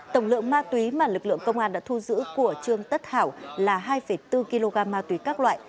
tổng lượng ma túy mà lực lượng công an đã thu giữ của trương tất hảo là hai bốn kg ma túy các loại